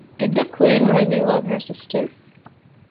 Did the Queen really love her sister ?